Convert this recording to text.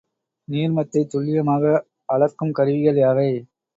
நீர்மத்தைத் துல்லியமாக அளக்கும் கருவிகள் யாவை?